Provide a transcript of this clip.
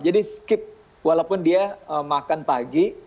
skip walaupun dia makan pagi